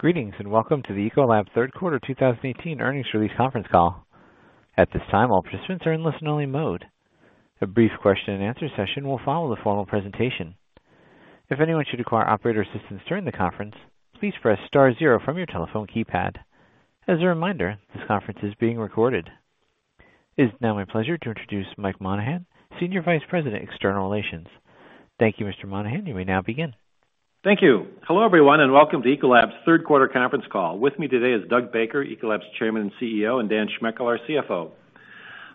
Greetings. Welcome to the Ecolab third quarter 2018 earnings release conference call. At this time, all participants are in listen-only mode. A brief question and answer session will follow the formal presentation. If anyone should require operator assistance during the conference, please press star zero from your telephone keypad. As a reminder, this conference is being recorded. It's now my pleasure to introduce Mike Monahan, Senior Vice President, External Relations. Thank you, Mr. Monahan. You may now begin. Thank you. Hello, everyone. Welcome to Ecolab's third quarter conference call. With me today is Doug Baker, Ecolab's Chairman and CEO, and Dan Schmechel, our CFO.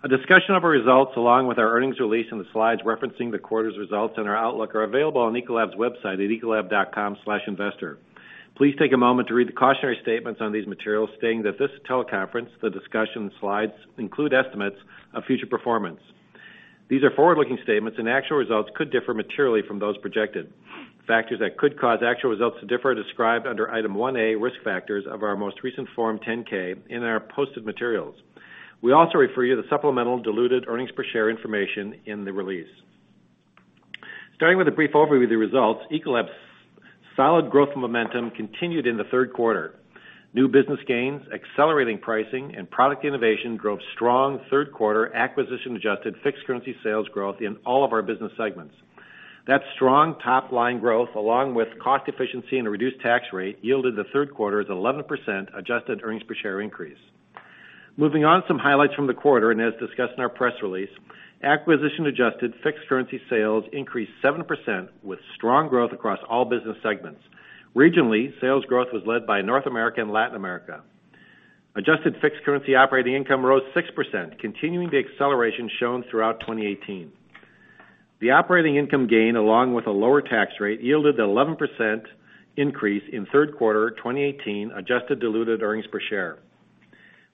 A discussion of our results, along with our earnings release and the slides referencing the quarter's results and our outlook are available on ecolab.com/investor. Please take a moment to read the cautionary statements on these materials, stating that this teleconference, the discussion, slides include estimates of future performance. These are forward-looking statements, and actual results could differ materially from those projected. Factors that could cause actual results to differ are described under Item 1A, Risk Factors, of our most recent Form 10-K in our posted materials. We also refer you to supplemental diluted earnings per share information in the release. Starting with a brief overview of the results, Ecolab's solid growth momentum continued in the third quarter. New business gains, accelerating pricing, and product innovation drove strong third quarter acquisition-adjusted fixed currency sales growth in all of our business segments. That strong top-line growth, along with cost efficiency and a reduced tax rate, yielded the third quarter's 11% adjusted earnings per share increase. Moving on, some highlights from the quarter. As discussed in our press release, acquisition-adjusted fixed currency sales increased 7% with strong growth across all business segments. Regionally, sales growth was led by North America and Latin America. Adjusted fixed currency operating income rose 6%, continuing the acceleration shown throughout 2018. The operating income gain, along with a lower tax rate, yielded an 11% increase in third quarter 2018 adjusted diluted earnings per share.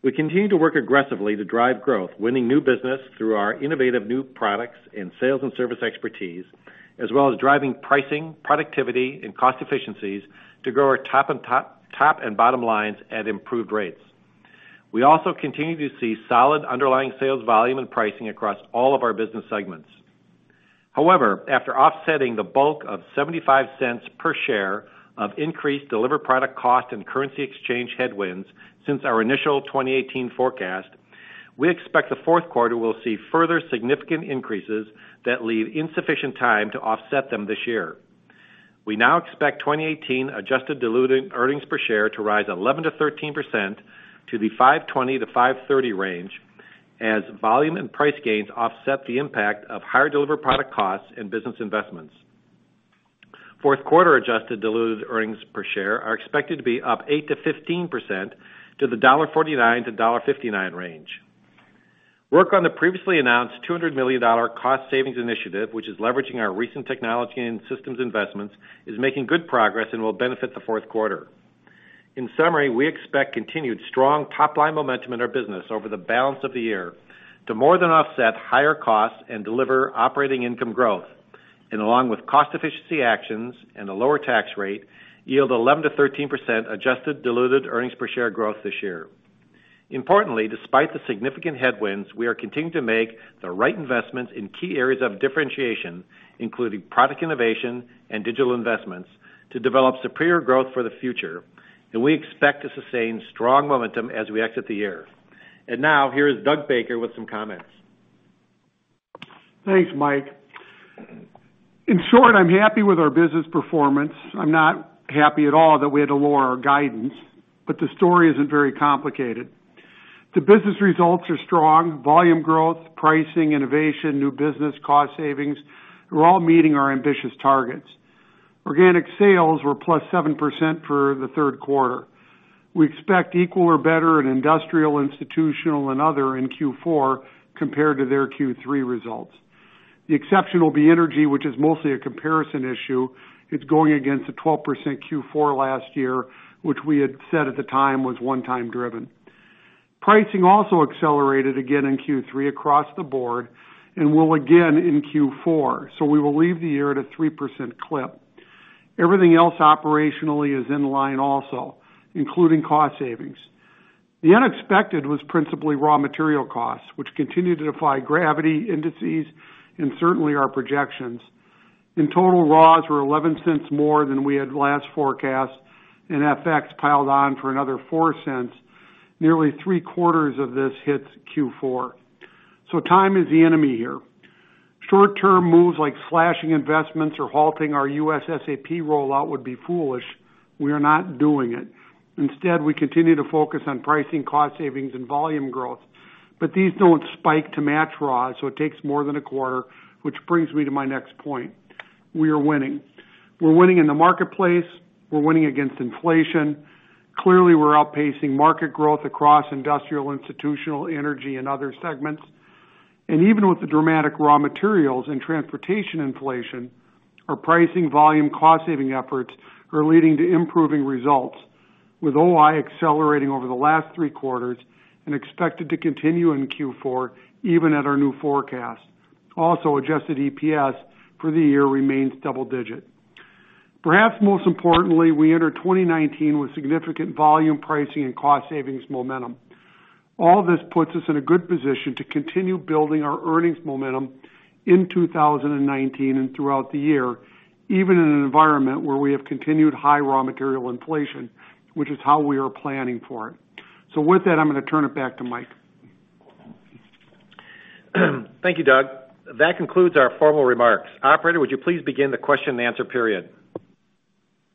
We continue to work aggressively to drive growth, winning new business through our innovative new products and sales and service expertise, as well as driving pricing, productivity, and cost efficiencies to grow our top and bottom lines at improved rates. We also continue to see solid underlying sales volume and pricing across all of our business segments. However, after offsetting the bulk of $0.75 per share of increased delivered product cost and currency exchange headwinds since our initial 2018 forecast, we expect the fourth quarter will see further significant increases that leave insufficient time to offset them this year. We now expect 2018 adjusted diluted earnings per share to rise 11%-13% to the $5.20-$5.30 range as volume and price gains offset the impact of higher delivered product costs and business investments. Fourth quarter adjusted diluted earnings per share are expected to be up 8%-15% to the $1.49-$1.59 range. Work on the previously announced $200 million cost savings initiative, which is leveraging our recent technology and systems investments, is making good progress and will benefit the fourth quarter. In summary, we expect continued strong top-line momentum in our business over the balance of the year to more than offset higher costs and deliver operating income growth. Along with cost efficiency actions and a lower tax rate, yield 11%-13% adjusted diluted earnings per share growth this year. Importantly, despite the significant headwinds, we are continuing to make the right investments in key areas of differentiation, including product innovation and digital investments, to develop superior growth for the future, and we expect to sustain strong momentum as we exit the year. Now, here is Doug Baker with some comments. Thanks, Mike. In short, I'm happy with our business performance. I'm not happy at all that we had to lower our guidance, but the story isn't very complicated. The business results are strong. Volume growth, pricing, innovation, new business, cost savings, we're all meeting our ambitious targets. Organic sales were plus 7% for the third quarter. We expect equal or better in Industrial, Institutional, and Other in Q4 compared to their Q3 results. The exception will be Energy, which is mostly a comparison issue. It's going against a 12% Q4 last year, which we had said at the time was one-time driven. Pricing also accelerated again in Q3 across the board and will again in Q4, so we will leave the year at a 3% clip. Everything else operationally is in line also, including cost savings. The unexpected was principally raw material costs, which continue to defy gravity indices and certainly our projections. In total, raws were $0.11 more than we had last forecast, and FX piled on for another $0.04. Nearly three-quarters of this hits Q4. Time is the enemy here. Short-term moves like slashing investments or halting our U.S. SAP rollout would be foolish. We are not doing it. Instead, we continue to focus on pricing, cost savings, and volume growth. These don't spike to match raws, so it takes more than a quarter, which brings me to my next point. We are winning. We're winning in the marketplace. We're winning against inflation. Clearly, we're outpacing market growth across Industrial, Institutional, Energy, and Other segments. Even with the dramatic raw materials and transportation inflation, our pricing volume cost-saving efforts are leading to improving results, with OI accelerating over the last three quarters and expected to continue in Q4, even at our new forecast. Also, adjusted EPS for the year remains double-digit. Perhaps most importantly, we enter 2019 with significant volume pricing and cost savings momentum. All this puts us in a good position to continue building our earnings momentum in 2019 and throughout the year, even in an environment where we have continued high raw material inflation, which is how we are planning for it. With that, I'm going to turn it back to Mike. Thank you, Doug. That concludes our formal remarks. Operator, would you please begin the question and answer period?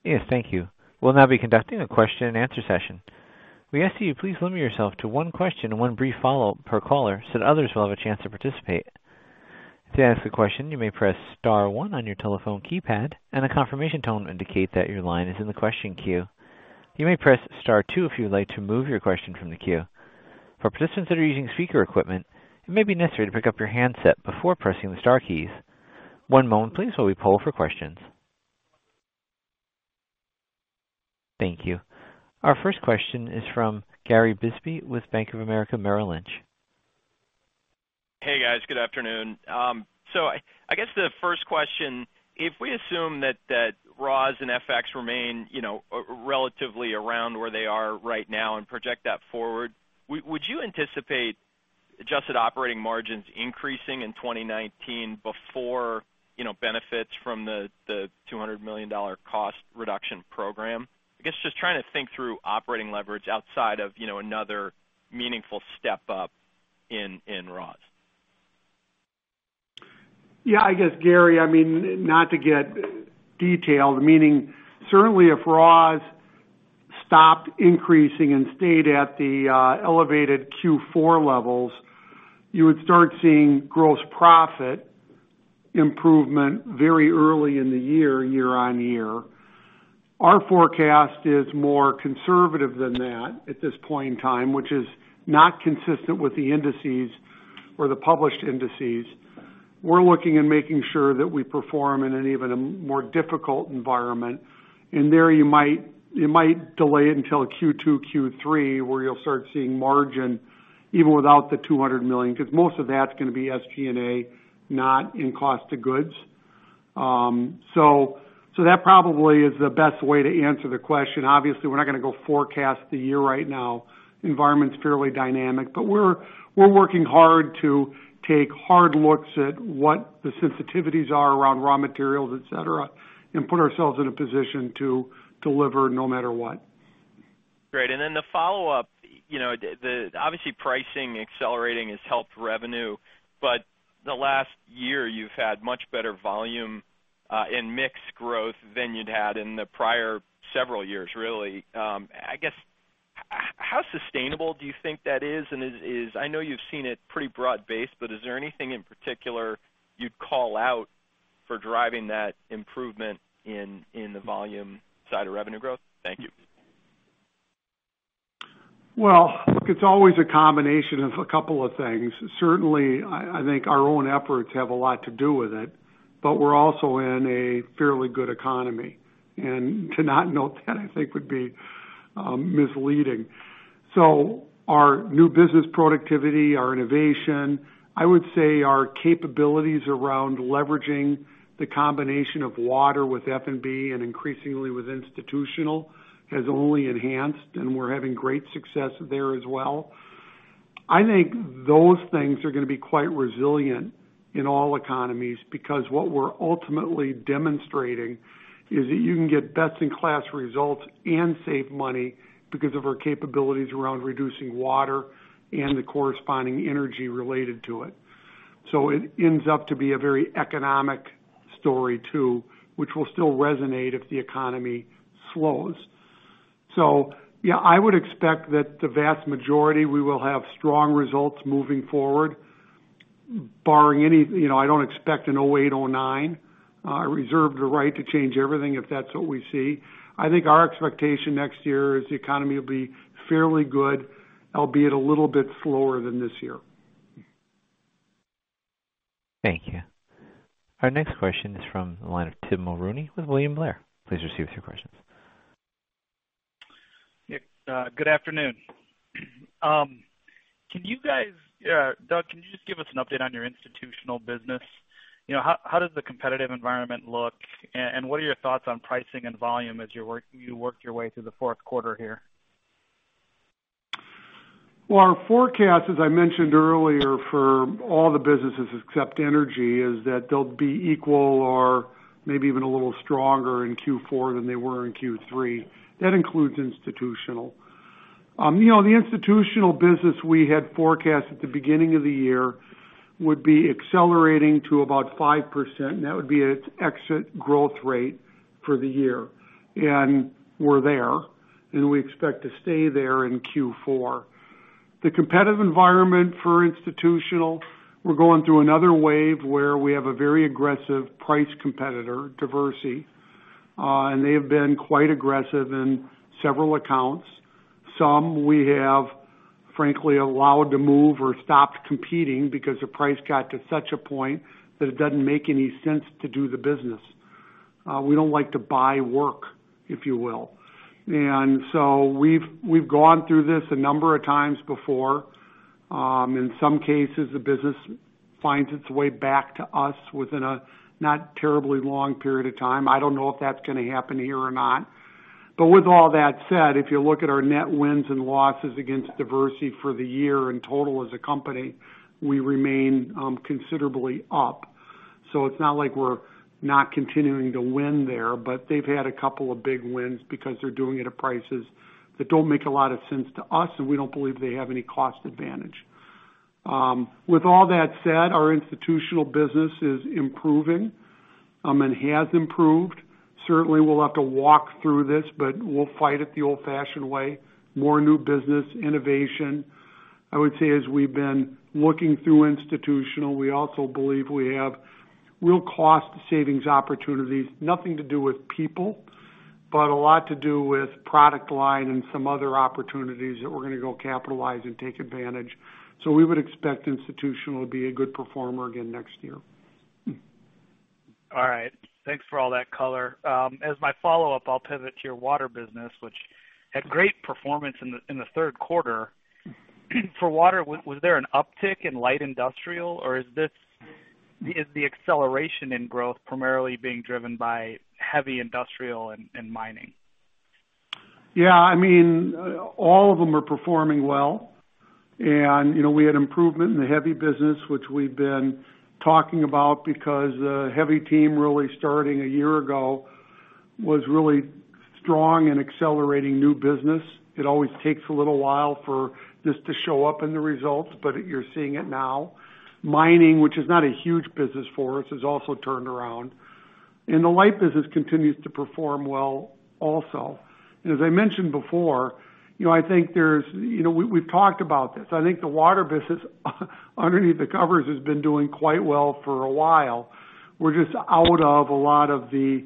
Thank you. We'll now be conducting a question and answer session. We ask that you please limit yourself to one question and one brief follow-up per caller so that others will have a chance to participate. To ask a question, you may press star one on your telephone keypad, and a confirmation tone will indicate that your line is in the question queue. You may press star two if you would like to move your question from the queue. For participants that are using speaker equipment, it may be necessary to pick up your handset before pressing the star keys. One moment, please, while we poll for questions. Thank you. Our first question is from Gary Bisbee with Bank of America Merrill Lynch. Hey, guys. Good afternoon. I guess the first question, if we assume that raws and FX remain relatively around where they are right now and project that forward, would you anticipate adjusted operating margins increasing in 2019 before benefits from the $200 million cost reduction program? I guess, just trying to think through operating leverage outside of another meaningful step up in raws. Gary, not to get detailed, meaning certainly if raws stopped increasing and stayed at the elevated Q4 levels, you would start seeing gross profit improvement very early in the year-over-year. Our forecast is more conservative than that at this point in time, which is not consistent with the indices or the published indices. We're looking and making sure that we perform in an even more difficult environment. There, you might delay it until Q2, Q3, where you'll start seeing margin even without the $200 million, because most of that's going to be SG&A, not in cost to goods. That probably is the best way to answer the question. Obviously, we're not going to go forecast the year right now. The environment's fairly dynamic. We're working hard to take hard looks at what the sensitivities are around raw materials, et cetera, and put ourselves in a position to deliver no matter what. Great. The follow-up, obviously pricing accelerating has helped revenue, but the last year you've had much better volume in mix growth than you'd had in the prior several years, really. I guess, how sustainable do you think that is? I know you've seen it pretty broad-based, but is there anything in particular you'd call out for driving that improvement in the volume side of revenue growth? Thank you. Look, it's always a combination of a couple of things. Certainly, I think our own efforts have a lot to do with it, but we're also in a fairly good economy, and to not note that, I think would be misleading. Our new business productivity, our innovation, I would say our capabilities around leveraging the combination of water with F&B and increasingly with institutional has only enhanced, and we're having great success there as well. I think those things are going to be quite resilient in all economies, because what we're ultimately demonstrating is that you can get best-in-class results and save money because of our capabilities around reducing water and the corresponding energy related to it. It ends up to be a very economic story too, which will still resonate if the economy slows. Yeah, I would expect that the vast majority, we will have strong results moving forward. I don't expect a 2008, 2009. I reserve the right to change everything if that's what we see. I think our expectation next year is the economy will be fairly good, albeit a little bit slower than this year. Thank you. Our next question is from the line of Tim Mulrooney with William Blair. Please proceed with your questions. Good afternoon. Doug, can you just give us an update on your institutional business? How does the competitive environment look, and what are your thoughts on pricing and volume as you work your way through the fourth quarter here? Well, our forecast, as I mentioned earlier, for all the businesses except energy, is that they'll be equal or maybe even a little stronger in Q4 than they were in Q3. That includes institutional. The institutional business we had forecast at the beginning of the year would be accelerating to about 5%, and that would be its exit growth rate for the year. We're there, and we expect to stay there in Q4. The competitive environment for institutional, we're going through another wave where we have a very aggressive price competitor, Diversey, and they have been quite aggressive in several accounts. Some we have frankly allowed to move or stopped competing because the price got to such a point that it doesn't make any sense to do the business. We don't like to buy work, if you will. We've gone through this a number of times before. In some cases, the business finds its way back to us within a not terribly long period of time. I don't know if that's going to happen here or not. With all that said, if you look at our net wins and losses against Diversey for the year in total as a company, we remain considerably up. It's not like we're not continuing to win there, but they've had a couple of big wins because they're doing it at prices that don't make a lot of sense to us, and we don't believe they have any cost advantage. With all that said, our institutional business is improving and has improved. Certainly, we'll have to walk through this, but we'll fight it the old-fashioned way. More new business, innovation. I would say as we've been looking through institutional, we also believe we have real cost savings opportunities. Nothing to do with people, but a lot to do with product line and some other opportunities that we're going to go capitalize and take advantage. We would expect institutional to be a good performer again next year. All right. Thanks for all that color. As my follow-up, I'll pivot to your water business, which had great performance in the third quarter. For water, was there an uptick in light industrial, or is the acceleration in growth primarily being driven by heavy industrial and mining? Yeah, all of them are performing well. We had improvement in the heavy business, which we've been talking about, because the heavy team really starting a year ago, was really strong in accelerating new business. It always takes a little while for this to show up in the results, but you're seeing it now. Mining, which is not a huge business for us, has also turned around. The light business continues to perform well also. As I mentioned before, we've talked about this. I think the water business, underneath the covers, has been doing quite well for a while. We're just out of a lot of the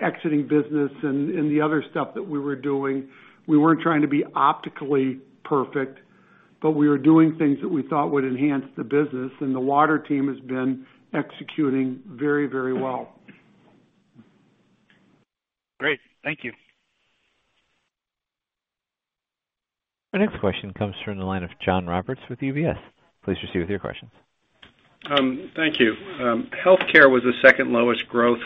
exiting business and the other stuff that we were doing. We weren't trying to be optically perfect, but we were doing things that we thought would enhance the business, and the water team has been executing very well. Great. Thank you. Our next question comes from the line of John Roberts with UBS. Please proceed with your questions. Thank you. Healthcare was the second lowest growth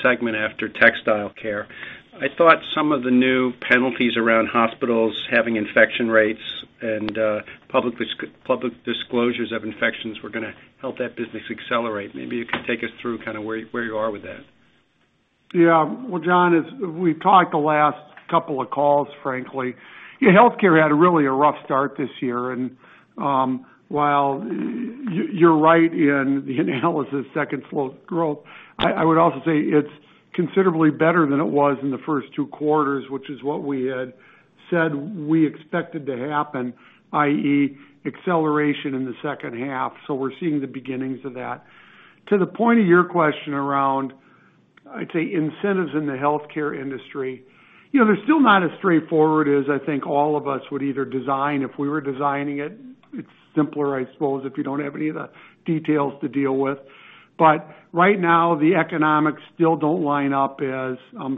segment after textile care. I thought some of the new penalties around hospitals having infection rates and public disclosures of infections were going to help that business accelerate. Maybe you could take us through where you are with that. Yeah. Well, John, we've talked the last couple of calls, frankly. Healthcare had really a rough start this year. While you're right in the analysis, second slowest growth, I would also say it's considerably better than it was in the first two quarters, which is what we had said we expected to happen, i.e., acceleration in the second half. We're seeing the beginnings of that. To the point of your question around, I'd say incentives in the healthcare industry. They're still not as straightforward as I think all of us would either design if we were designing it. It's simpler, I suppose, if you don't have any of the details to deal with. Right now, the economics still don't line up as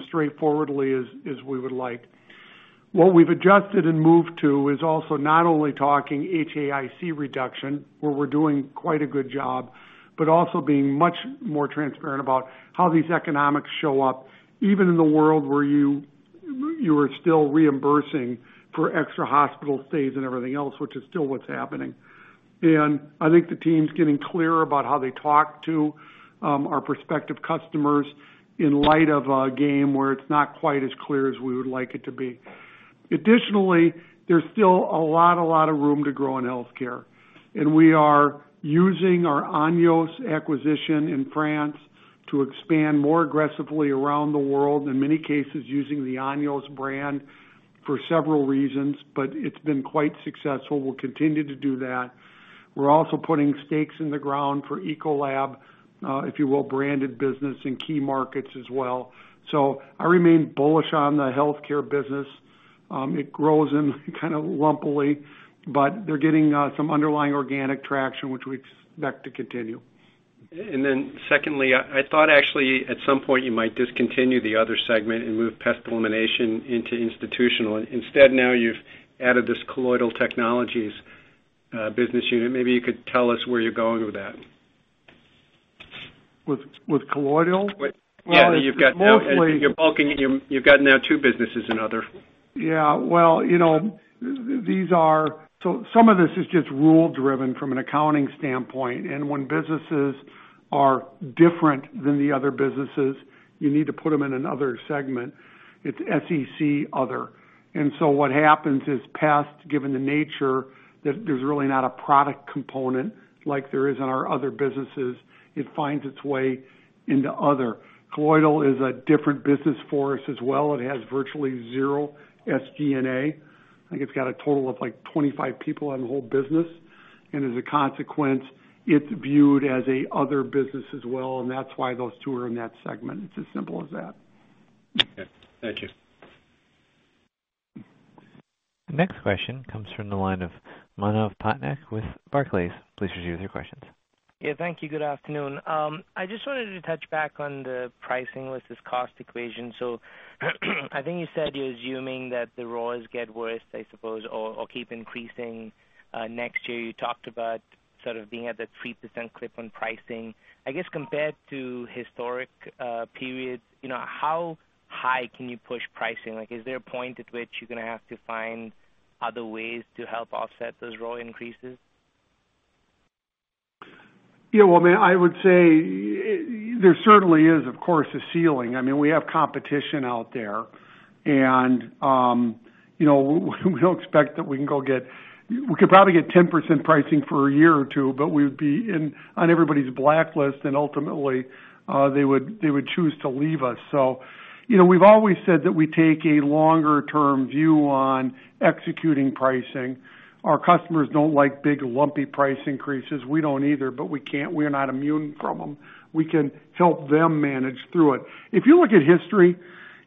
straightforwardly as we would like. What we've adjusted and moved to is also not only talking HAI reduction, where we're doing quite a good job, but also being much more transparent about how these economics show up, even in the world where you are still reimbursing for extra hospital stays and everything else, which is still what's happening. I think the team's getting clearer about how they talk to our prospective customers in light of a game where it's not quite as clear as we would like it to be. Additionally, there's still a lot of room to grow in healthcare. We are using our Anios acquisition in France to expand more aggressively around the world, in many cases, using the Anios brand for several reasons. It's been quite successful. We'll continue to do that. We're also putting stakes in the ground for Ecolab, if you will, branded business in key markets as well. I remain bullish on the healthcare business. It grows in kind of lumpily, but they're getting some underlying organic traction, which we expect to continue. Secondly, I thought actually at some point you might discontinue the other segment and move pest elimination into institutional. Instead, now you've added this Colloidal Technologies business unit. Maybe you could tell us where you're going with that. With Colloidal? Yeah. You've got now two businesses in other. Yeah. Some of this is just rule driven from an accounting standpoint. When businesses are different than the other businesses, you need to put them in an other segment. It's SEC Other. What happens is pest, given the nature, there's really not a product component like there is in our other businesses. It finds its way into other. Colloidal is a different business for us as well. It has virtually zero SG&A. I think it's got a total of 25 people on the whole business. As a consequence, it's viewed as an other business as well, and that's why those two are in that segment. It's as simple as that. Okay. Thank you. The next question comes from the line of Manav Patnaik with Barclays, please proceed with your questions. Yeah, thank you. Good afternoon. I just wanted to touch back on the pricing versus cost equation. I think you said you're assuming that the raws get worse, I suppose, or keep increasing next year. You talked about sort of being at the 3% clip on pricing. I guess, compared to historic periods, how high can you push pricing? Is there a point at which you're going to have to find other ways to help offset those raw increases? Yeah. Well, I would say there certainly is, of course, a ceiling. We have competition out there, and we don't expect that we could probably get 10% pricing for a year or two, but we would be on everybody's blacklist, and ultimately, they would choose to leave us. We've always said that we take a longer-term view on executing pricing. Our customers don't like big, lumpy price increases. We don't either, but we're not immune from them. We can help them manage through it. If you look at history,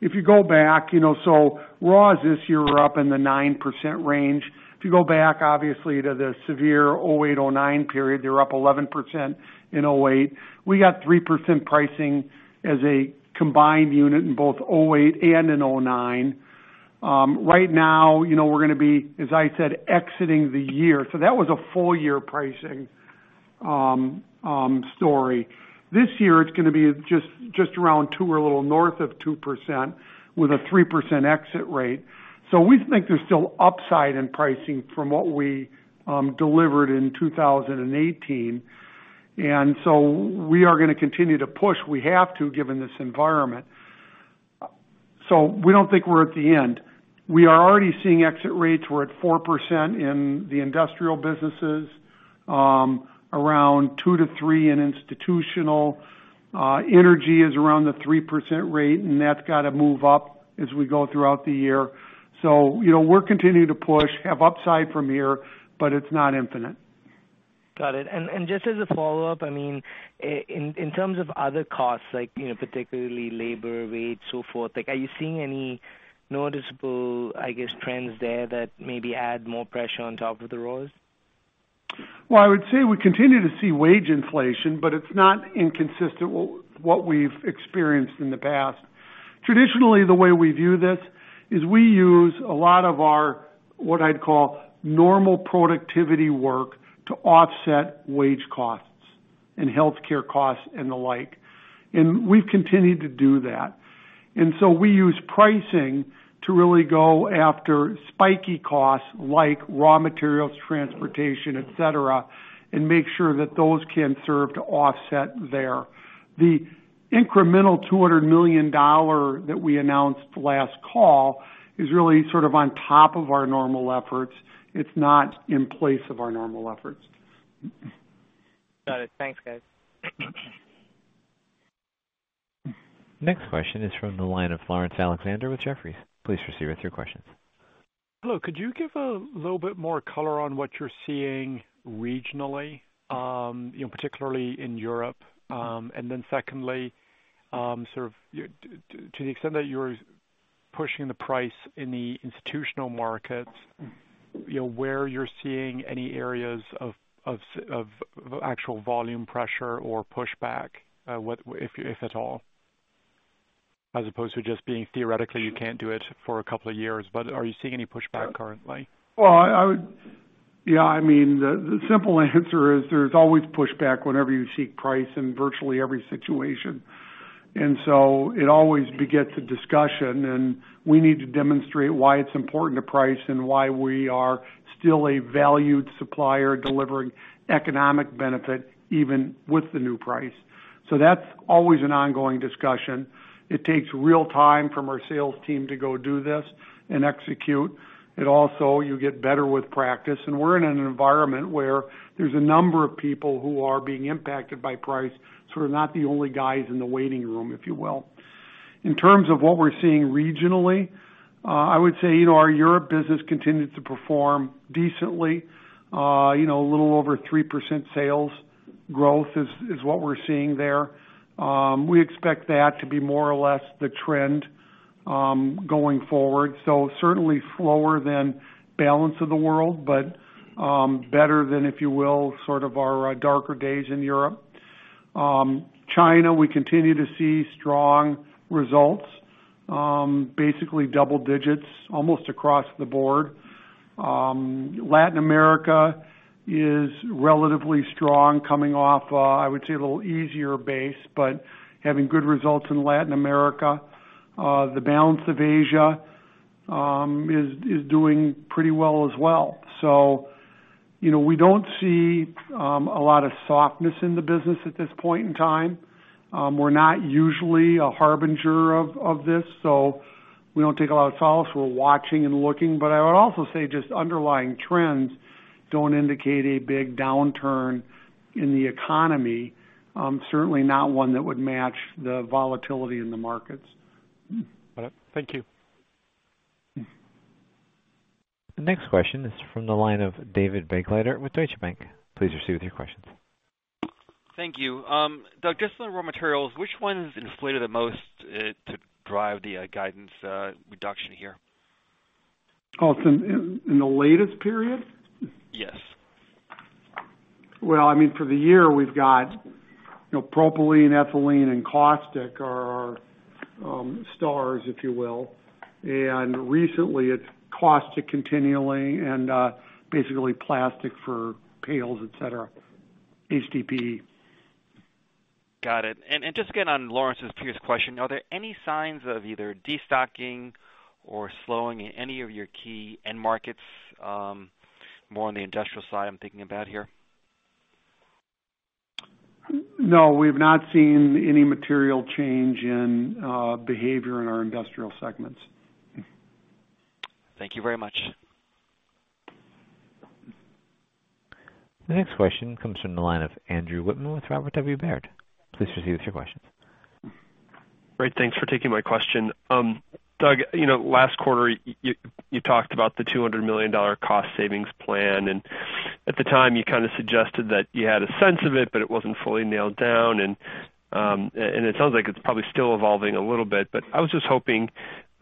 if you go back, raws this year were up in the 9% range. If you go back, obviously, to the severe 2008, 2009 period, they were up 11% in 2008. We got 3% pricing as a combined unit in both 2008 and in 2009. Right now, we're going to be, as I said, exiting the year. That was a full-year pricing story. This year it's going to be just around 2% or a little north of 2% with a 3% exit rate. We think there's still upside in pricing from what we delivered in 2018. We are going to continue to push. We have to, given this environment. We don't think we're at the end. We are already seeing exit rates were at 4% in the industrial businesses, around 2% to 3% in institutional. Energy is around the 3% rate, and that's got to move up as we go throughout the year. We're continuing to push, have upside from here, but it's not infinite. Got it. Just as a follow-up, in terms of other costs like particularly labor rates, so forth, are you seeing any noticeable trends there that maybe add more pressure on top of the raws? I would say we continue to see wage inflation, but it is not inconsistent with what we've experienced in the past. Traditionally, the way we view this is we use a lot of our, what I'd call, normal productivity work to offset wage costs and healthcare costs and the like. We've continued to do that. We use pricing to really go after spiky costs like raw materials, transportation, et cetera, and make sure that those can serve to offset there. The incremental $200 million that we announced last call is really sort of on top of our normal efforts. It is not in place of our normal efforts. Got it. Thanks, guys. Next question is from the line of Laurence Alexander with Jefferies. Please proceed with your questions. Hello. Could you give a little bit more color on what you're seeing regionally, particularly in Europe? Secondly, to the extent that you're pushing the price in the institutional markets, where you're seeing any areas of actual volume pressure or pushback, if at all, as opposed to just being theoretically you can't do it for a couple of years, are you seeing any pushback currently? Yeah. The simple answer is there's always pushback whenever you seek price in virtually every situation. It always begets a discussion, and we need to demonstrate why it's important to price and why we are still a valued supplier delivering economic benefit even with the new price. That's always an ongoing discussion. It takes real time from our sales team to go do this and execute it. Also, you get better with practice, and we're in an environment where there's a number of people who are being impacted by price. We're not the only guys in the waiting room, if you will. In terms of what we're seeing regionally, I would say our Europe business continued to perform decently. A little over 3% sales growth is what we're seeing there. We expect that to be more or less the trend going forward. Certainly slower than balance of the world, but better than, if you will, sort of our darker days in Europe. China, we continue to see strong results. Basically double digits almost across the board. Latin America is relatively strong coming off, I would say a little easier base, but having good results in Latin America. The balance of Asia is doing pretty well as well. We don't see a lot of softness in the business at this point in time. We're not usually a harbinger of this, so we don't take a lot of solace. We're watching and looking. I would also say just underlying trends don't indicate a big downturn in the economy. Certainly not one that would match the volatility in the markets. Got it. Thank you. The next question is from the line of David Begleiter with Deutsche Bank. Please proceed with your questions Thank you. Doug, just on the raw materials, which one is inflated the most to drive the guidance reduction here? Oh, in the latest period? Yes. Well, for the year, we've got propylene, ethylene, and caustic are our stars, if you will. Recently it's caustic continually and basically plastic for pails, et cetera, HDPE. Got it. Just again, on Laurence's previous question, are there any signs of either de-stocking or slowing in any of your key end markets, more on the industrial side, I'm thinking about here? No, we've not seen any material change in behavior in our industrial segments. Thank you very much. The next question comes from the line of Andrew Wittmann with Robert W. Baird. Please proceed with your questions. Great. Thanks for taking my question. Doug, last quarter, you talked about the $200 million cost savings plan. At the time, you kind of suggested that you had a sense of it, but it wasn't fully nailed down. It sounds like it's probably still evolving a little bit. I was just hoping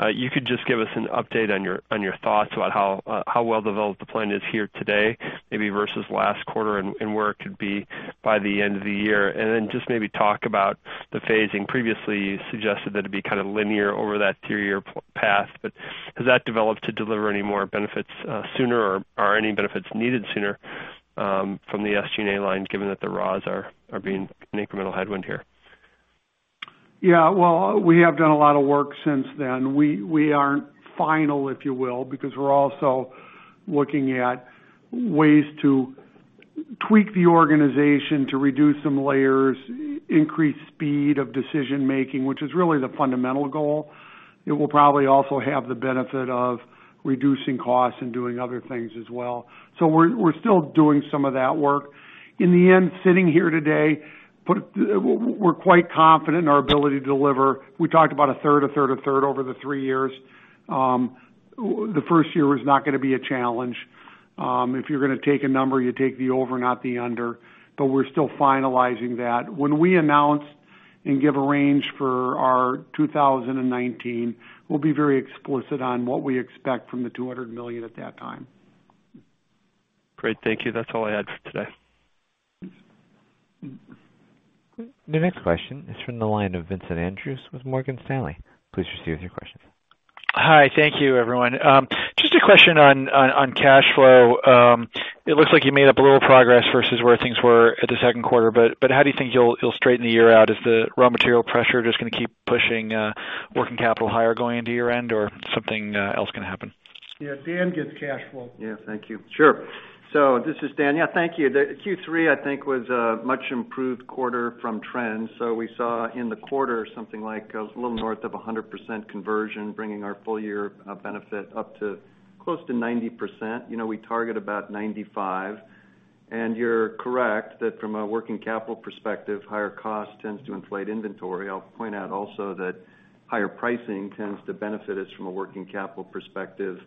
you could just give us an update on your thoughts about how well developed the plan is here today, maybe versus last quarter, and where it could be by the end of the year. Then just maybe talk about the phasing. Previously, you suggested that it'd be kind of linear over that three-year path. Has that developed to deliver any more benefits sooner, or are any benefits needed sooner from the SG&A line, given that the raws are being an incremental headwind here? We have done a lot of work since then. We aren't final, if you will, because we're also looking at ways to tweak the organization to reduce some layers, increase speed of decision-making, which is really the fundamental goal. It will probably also have the benefit of reducing costs and doing other things as well. We're still doing some of that work. In the end, sitting here today, we're quite confident in our ability to deliver. We talked about a third, a third, a third over the 3 years. The first year is not going to be a challenge. If you're going to take a number, you take the over, not the under, but we're still finalizing that. When we announce and give a range for our 2019, we'll be very explicit on what we expect from the $200 million at that time. Great. Thank you. That's all I had for today. The next question is from the line of Vincent Andrews with Morgan Stanley. Please proceed with your questions. Hi. Thank you, everyone. Just a question on cash flow. It looks like you made up a little progress versus where things were at the second quarter, how do you think you'll straighten the year out? Is the raw material pressure just going to keep pushing working capital higher going into year-end, or something else can happen? Yeah. Dan gets cash flow. Thank you. Sure. This is Dan. Thank you. Q3, I think, was a much improved quarter from trends. We saw in the quarter something like a little north of 100% conversion, bringing our full year benefit up to close to 90%. We target about 95%. You're correct, that from a working capital perspective, higher cost tends to inflate inventory. I'll point out also that higher pricing tends to benefit us from a working capital perspective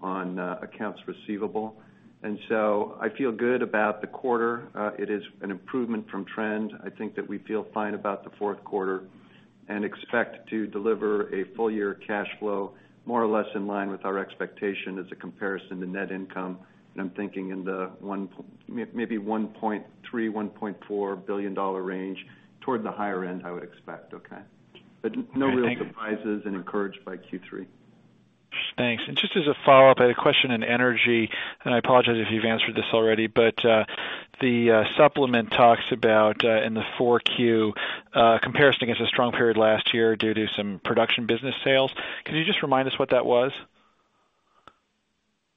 on accounts receivable. I feel good about the quarter. It is an improvement from trend. I think that we feel fine about the fourth quarter and expect to deliver a full-year cash flow more or less in line with our expectation as a comparison to net income. I'm thinking in the maybe $1.3 billion, $1.4 billion range, toward the higher end, I would expect, okay? Okay. Thank you. No real surprises and encouraged by Q3. Thanks. Just as a follow-up, I had a question in energy, and I apologize if you've answered this already, but the supplement talks about in the 4Q comparison against a strong period last year due to some production business sales. Could you just remind us what that was?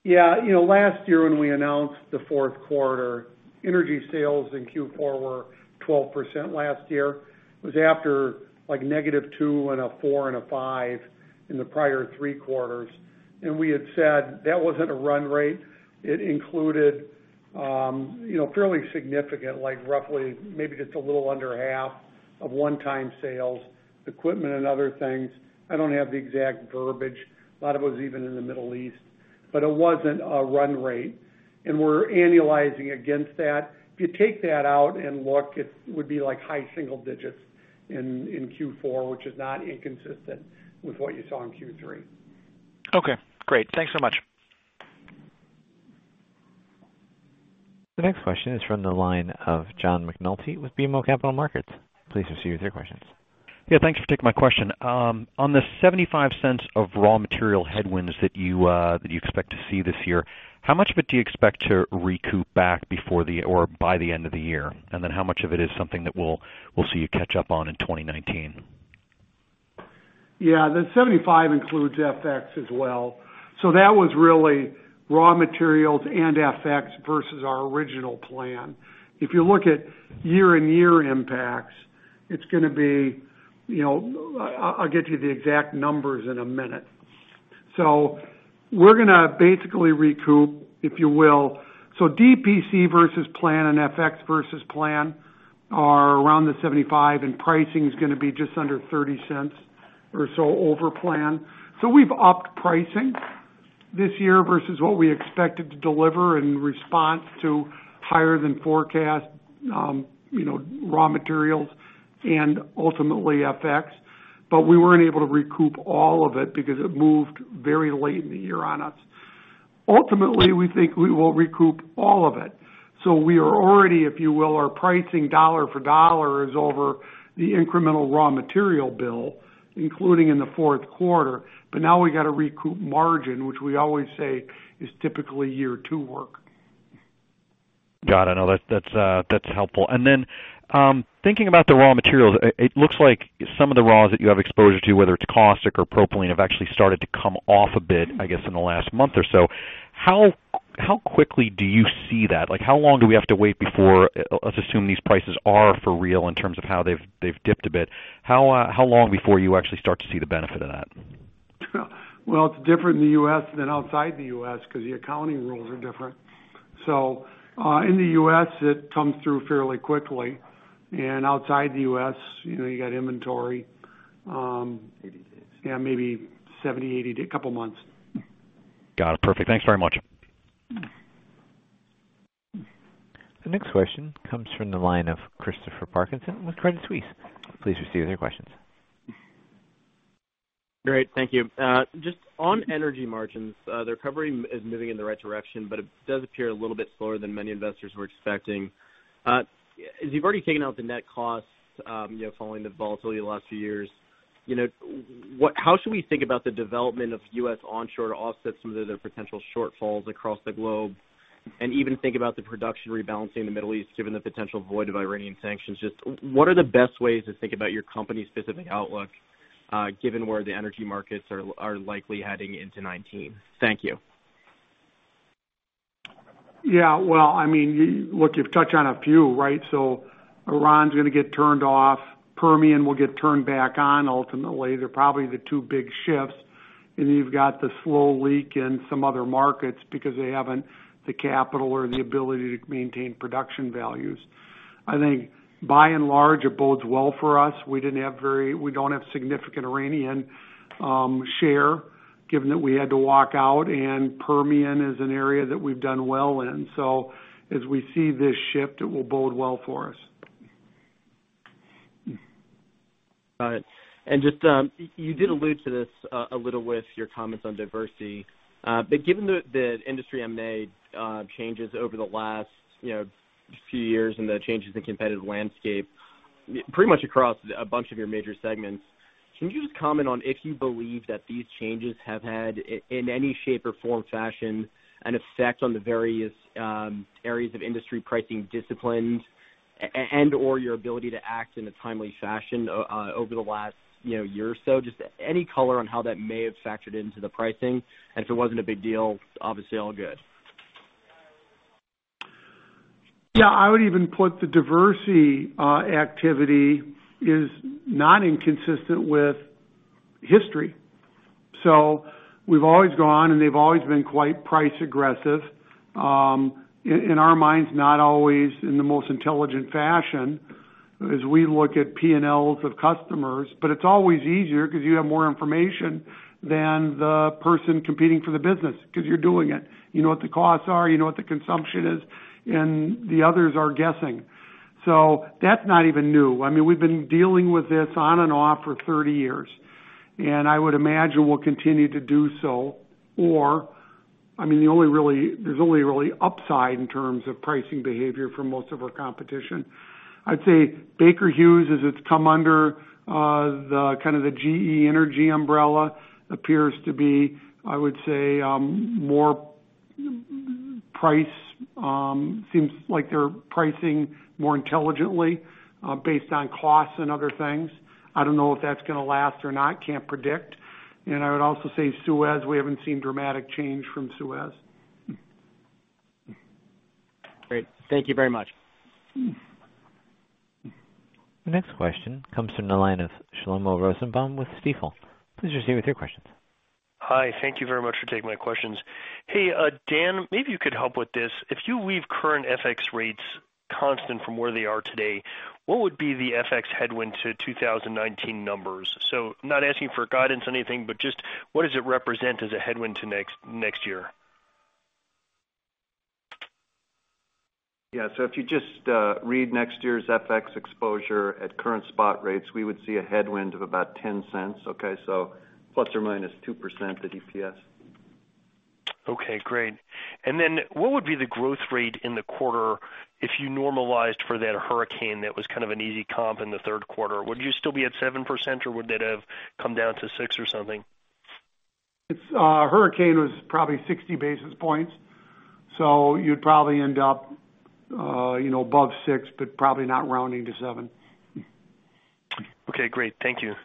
Yeah. Last year when we announced the fourth quarter, energy sales in Q4 were 12% last year. It was after like negative two and a four and a five in the prior three quarters. We had said that wasn't a run rate. It included fairly significant, like roughly maybe just a little under half of one-time sales, equipment and other things. I don't have the exact verbiage. A lot of it was even in the Middle East. It wasn't a run rate. We're annualizing against that. If you take that out and look, it would be like high single digits in Q4, which is not inconsistent with what you saw in Q3. Okay, great. Thanks so much. The next question is from the line of John McNulty with BMO Capital Markets. Please proceed with your questions. Yeah, thanks for taking my question. On the $0.75 of raw material headwinds that you expect to see this year, how much of it do you expect to recoup back before or by the end of the year? How much of it is something that we'll see you catch up on in 2019? Yeah, the $0.75 includes FX as well. That was really raw materials and FX versus our original plan. If you look at year-over-year impacts, I'll get you the exact numbers in a minute. We're going to basically recoup, if you will. DPC versus plan and FX versus plan are around the $0.75, and pricing is going to be just under $0.30 or so over plan. We've upped pricing this year versus what we expected to deliver in response to higher than forecast raw materials and ultimately FX. We weren't able to recoup all of it because it moved very late in the year on us. Ultimately, we think we will recoup all of it. We are already, if you will, our pricing dollar for dollar is over the incremental raw material bill, including in the fourth quarter. Now we've got to recoup margin, which we always say is typically year two work. Got it. No, that's helpful. Thinking about the raw materials, it looks like some of the raws that you have exposure to, whether it's caustic or propylene, have actually started to come off a bit, I guess, in the last month or so. How quickly do you see that? Let's assume these prices are for real in terms of how they've dipped a bit. How long before you actually start to see the benefit of that? Well, it's different in the U.S. than outside the U.S. because the accounting rules are different. In the U.S., it comes through fairly quickly, and outside the U.S., you got inventory. 86. Yeah, maybe 70, 80. A couple of months. Got it. Perfect. Thanks very much. The next question comes from the line of Christopher Parkinson with Credit Suisse. Please proceed with your questions. Great. Thank you. Just on energy margins, the recovery is moving in the right direction, but it does appear a little bit slower than many investors were expecting. As you've already taken out the net costs following the volatility the last few years, how should we think about the development of U.S. onshore to offset some of the potential shortfalls across the globe, and even think about the production rebalancing in the Middle East given the potential void of Iranian sanctions? Just what are the best ways to think about your company's specific outlook, given where the energy markets are likely heading into 2019? Thank you. Yeah. Well, look, you've touched on a few, right? Iran's going to get turned off. Permian will get turned back on ultimately. They're probably the two big shifts. You've got the slow leak in some other markets because they haven't the capital or the ability to maintain production values. I think by and large, it bodes well for us. We don't have significant Iranian share given that we had to walk out, and Permian is an area that we've done well in. As we see this shift, it will bode well for us. Got it. You did allude to this a little with your comments on Diversey. Given the industry M&A changes over the last few years and the changes in competitive landscape pretty much across a bunch of your major segments, can you just comment on if you believe that these changes have had, in any shape or form, fashion, an effect on the various areas of industry pricing disciplines and/or your ability to act in a timely fashion over the last year or so? Just any color on how that may have factored into the pricing, and if it wasn't a big deal, obviously all good. Yeah, I would even put the Diversey activity is not inconsistent with history. We've always gone, and they've always been quite price aggressive. In our minds, not always in the most intelligent fashion as we look at P&Ls of customers. It's always easier because you have more information than the person competing for the business because you're doing it. You know what the costs are, you know what the consumption is, and the others are guessing. That's not even new. We've been dealing with this on and off for 30 years, and I would imagine we'll continue to do so. There's only really upside in terms of pricing behavior for most of our competition. I'd say Baker Hughes, as it's come under the GE Energy umbrella, appears to be, I would say, seems like they're pricing more intelligently, based on costs and other things. I don't know if that's going to last or not. Can't predict. I would also say Suez, we haven't seen dramatic change from Suez. Great. Thank you very much. The next question comes from the line of Shlomo Rosenbaum with Stifel. Please proceed with your questions. Hi. Thank you very much for taking my questions. Hey, Dan, maybe you could help with this. If you leave current FX rates constant from where they are today, what would be the FX headwind to 2019 numbers? Not asking for guidance on anything, but just what does it represent as a headwind to next year? Yeah. If you just read next year's FX exposure at current spot rates, we would see a headwind of about $0.10. Okay? Plus or minus ±2% to EPS. Okay, great. What would be the growth rate in the quarter if you normalized for that hurricane that was kind of an easy comp in the third quarter? Would you still be at 7%, or would that have come down to six or something? Hurricane was probably 60 basis points, so you'd probably end up above six, but probably not rounding to seven. Okay, great. Thank you.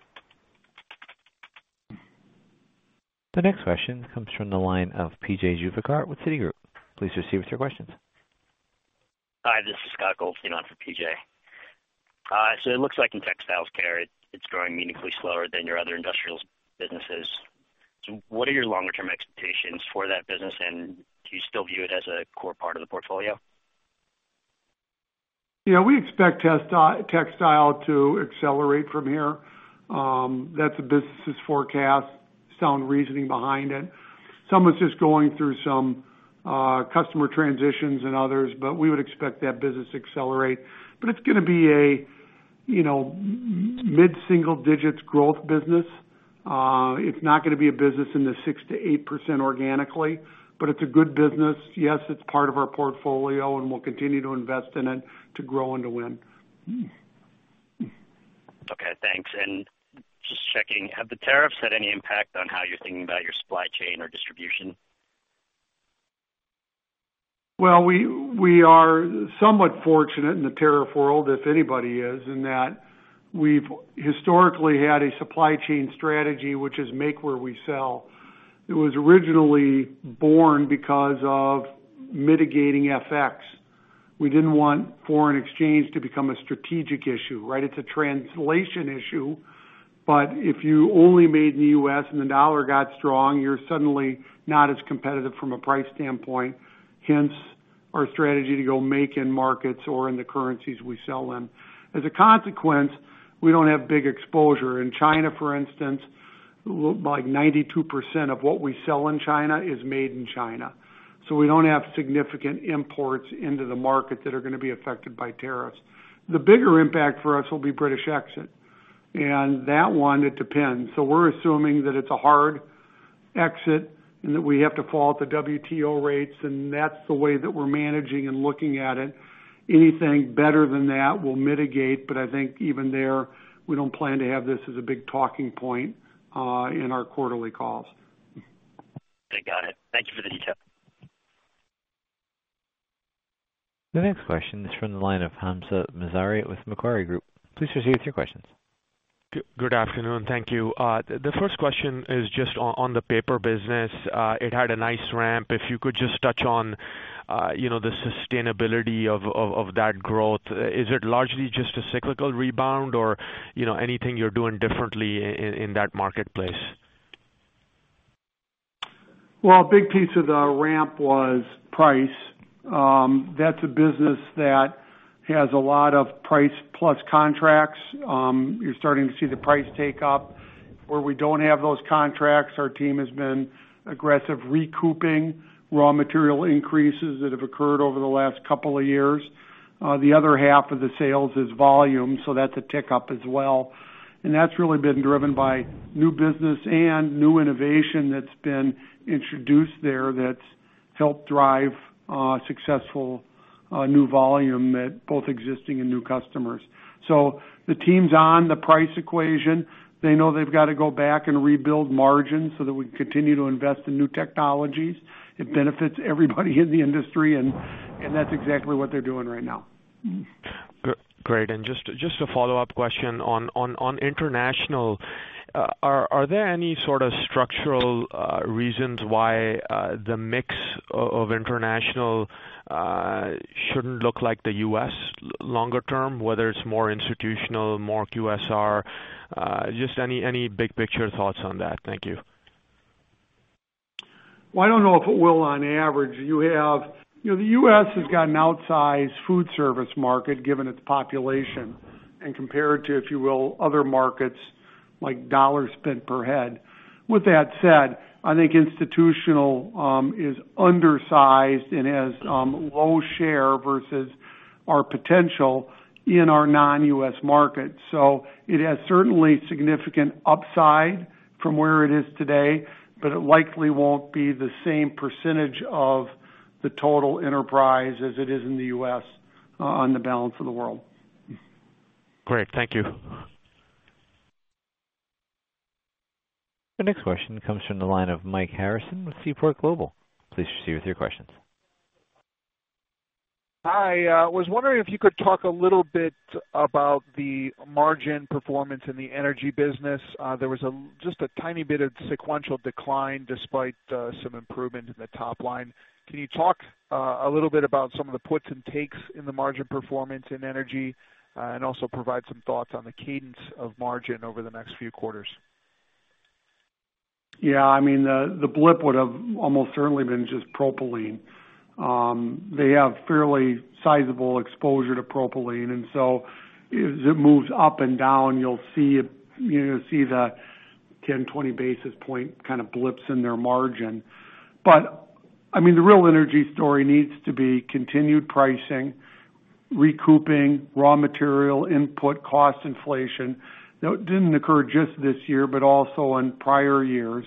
The next question comes from the line of P.J. Juvekar with Citigroup. Please proceed with your questions. Hi, this is Scott Goldstein on for PJ. It looks like in textiles care, it's growing meaningfully slower than your other industrials businesses. What are your longer-term expectations for that business, and do you still view it as a core part of the portfolio? Yeah, we expect textile to accelerate from here. That's a business forecast, sound reasoning behind it. Some is just going through some customer transitions and others, we would expect that business to accelerate. It's going to be a mid-single digits growth business. It's not going to be a business in the 6%-8% organically, it's a good business. Yes, it's part of our portfolio, and we'll continue to invest in it to grow and to win. Okay, thanks. Just checking, have the tariffs had any impact on how you're thinking about your supply chain or distribution? Well, we are somewhat fortunate in the tariff world, if anybody is, in that we've historically had a supply chain strategy, which is make where we sell. It was originally born because of mitigating FX. We didn't want foreign exchange to become a strategic issue, right? It's a translation issue, but if you only made in the U.S. and the dollar got strong, you're suddenly not as competitive from a price standpoint. Hence, our strategy to go make in markets or in the currencies we sell in. As a consequence, we don't have big exposure. In China, for instance, like 92% of what we sell in China is made in China. We don't have significant imports into the market that are going to be affected by tariffs. The bigger impact for us will be Brexit. That one, it depends. We're assuming that it's a hard exit and that we have to fall at the WTO rates, and that's the way that we're managing and looking at it. Anything better than that will mitigate, but I think even there, we don't plan to have this as a big talking point in our quarterly calls. Okay, got it. Thank you for the detail. The next question is from the line of Hamzah Mazari with Macquarie Group. Please proceed with your questions. Good afternoon. Thank you. The first question is just on the paper business. It had a nice ramp. If you could just touch on the sustainability of that growth. Is it largely just a cyclical rebound or anything you're doing differently in that marketplace? Well, a big piece of the ramp was price. That's a business that has a lot of price plus contracts. You're starting to see the price take up. Where we don't have those contracts, our team has been aggressive, recouping raw material increases that have occurred over the last couple of years. The other half of the sales is volume, that's a tick up as well. That's really been driven by new business and new innovation that's been introduced there that's helped drive successful new volume at both existing and new customers. The team's on the price equation. They know they've got to go back and rebuild margins so that we can continue to invest in new technologies. It benefits everybody in the industry, that's exactly what they're doing right now. Great. Just a follow-up question on international. Are there any sort of structural reasons why the mix of international shouldn't look like the U.S. longer term, whether it's more institutional, more QSR? Just any big picture thoughts on that. Thank you. Well, I don't know if it will on average. The U.S. has got an outsized food service market, given its population and compared to, if you will, other markets like US dollars spent per head. With that said, I think institutional is undersized and has low share versus our potential in our non-U.S. markets. It has certainly significant upside from where it is today, but it likely won't be the same percentage of the total enterprise as it is in the U.S. on the balance of the world. Great. Thank you. The next question comes from the line of Mike Harrison with Seaport Global. Please proceed with your questions. Hi, I was wondering if you could talk a little bit about the margin performance in the energy business. There was just a tiny bit of sequential decline despite some improvement in the top line. Can you talk a little bit about some of the puts and takes in the margin performance in energy and also provide some thoughts on the cadence of margin over the next few quarters? Yeah, the blip would have almost certainly been just propylene. They have fairly sizable exposure to propylene, and so as it moves up and down, you'll see the 10, 20 basis point kind of blips in their margin. The real energy story needs to be continued pricing, recouping raw material input cost inflation. That didn't occur just this year, but also in prior years.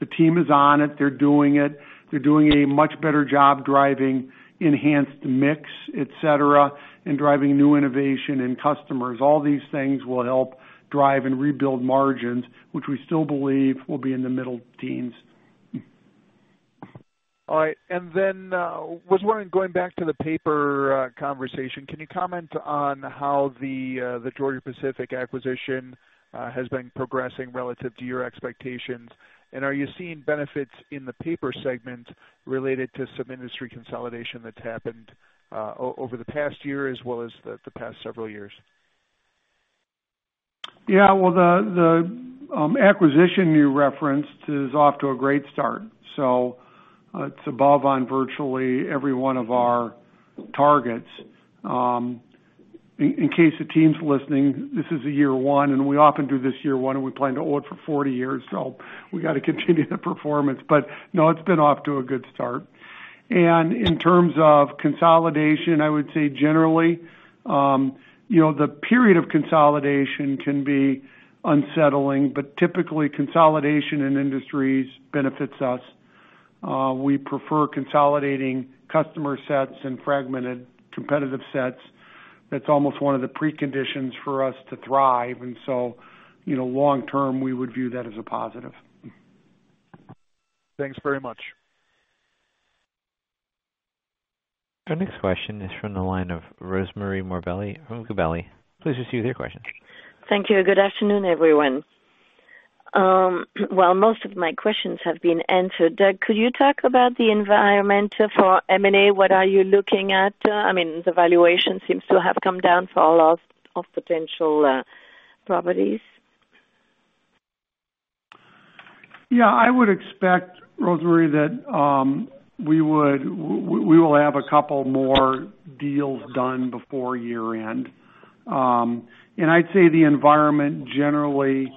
The team is on it. They're doing it. They're doing a much better job driving enhanced mix, et cetera, and driving new innovation and customers. All these things will help drive and rebuild margins, which we still believe will be in the middle teens. I was wondering, going back to the paper conversation, can you comment on how the Georgia-Pacific acquisition has been progressing relative to your expectations? Are you seeing benefits in the paper segment related to some industry consolidation that's happened over the past year as well as the past several years? Yeah, well, the acquisition you referenced is off to a great start. It's above on virtually every one of our targets. In case the team's listening, this is a year one. We often do this year one. We plan to own it for 40 years. We got to continue the performance. No, it's been off to a good start. In terms of consolidation, I would say generally, the period of consolidation can be unsettling, but typically consolidation in industries benefits us. We prefer consolidating customer sets and fragmented competitive sets. That's almost one of the preconditions for us to thrive. Long-term, we would view that as a positive. Thanks very much. Our next question is from the line of Rosemarie Morbelli from Gabelli. Please proceed with your question. Thank you. Good afternoon, everyone. Well, most of my questions have been answered. Doug, could you talk about the environment for M&A? What are you looking at? I mean, the valuation seems to have come down for a lot of potential properties. Yeah, I would expect, Rosemarie, that we will have a couple more deals done before year-end. I'd say the environment generally,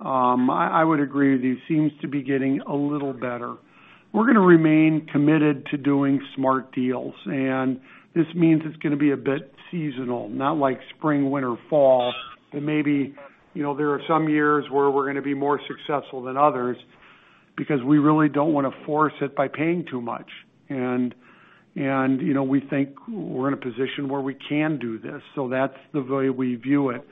I would agree with you, seems to be getting a little better. We're going to remain committed to doing smart deals, and this means it's going to be a bit seasonal, not like spring, winter, fall, but maybe there are some years where we're going to be more successful than others because we really don't want to force it by paying too much. We think we're in a position where we can do this, that's the way we view it.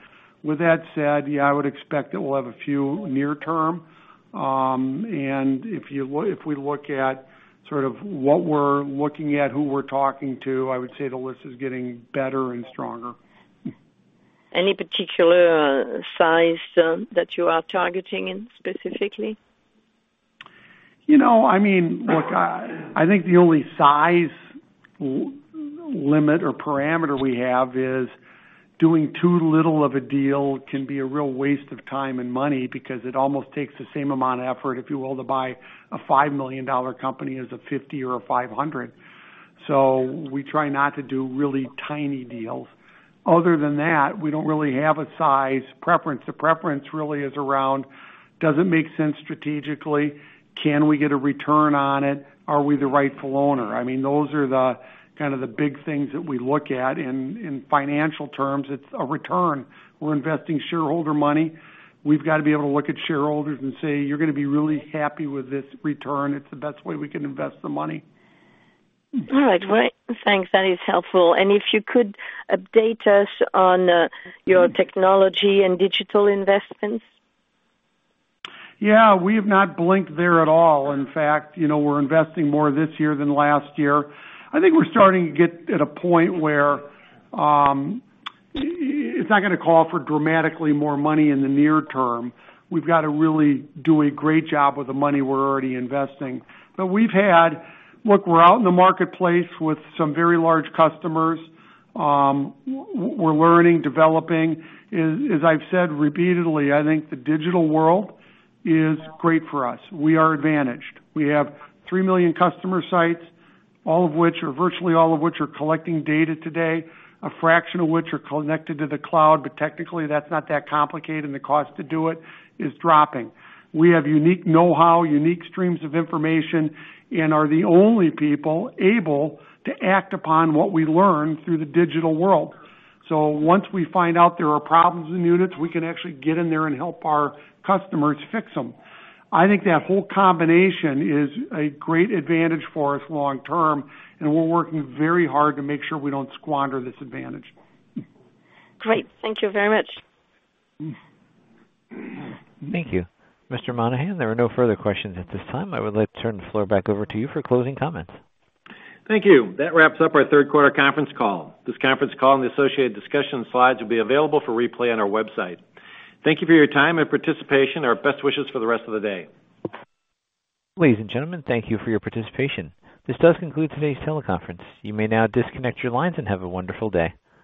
With that said, yeah, I would expect that we'll have a few near term. If we look at sort of what we're looking at, who we're talking to, I would say the list is getting better and stronger. Any particular size that you are targeting in specifically? Look, I think the only size limit or parameter we have is doing too little of a deal can be a real waste of time and money because it almost takes the same amount of effort, if you will, to buy a $5 million company as a 50 or a 500. We try not to do really tiny deals. Other than that, we don't really have a size preference. The preference really is around, does it make sense strategically? Can we get a return on it? Are we the rightful owner? Those are the kind of the big things that we look at in financial terms. It's a return. We're investing shareholder money. We've got to be able to look at shareholders and say, "You're going to be really happy with this return. It's the best way we can invest the money. All right. Well, thanks. That is helpful. If you could update us on your technology and digital investments. Yeah. We have not blinked there at all. In fact, we're investing more this year than last year. I think we're starting to get at a point where it's not going to call for dramatically more money in the near term. We've got to really do a great job with the money we're already investing. Look, we're out in the marketplace with some very large customers. We're learning, developing. As I've said repeatedly, I think the digital world is great for us. We are advantaged. We have 3 million customer sites, virtually all of which are collecting data today, a fraction of which are connected to the cloud, but technically that's not that complicated, and the cost to do it is dropping. We have unique know-how, unique streams of information, and are the only people able to act upon what we learn through the digital world. Once we find out there are problems in units, we can actually get in there and help our customers fix them. I think that whole combination is a great advantage for us long term, and we're working very hard to make sure we don't squander this advantage. Great. Thank you very much. Thank you. Mr. Monahan, there are no further questions at this time. I would like to turn the floor back over to you for closing comments. Thank you. That wraps up our third quarter conference call. This conference call and the associated discussion slides will be available for replay on our website. Thank you for your time and participation. Our best wishes for the rest of the day. Ladies and gentlemen, thank you for your participation. This does conclude today's teleconference. You may now disconnect your lines and have a wonderful day.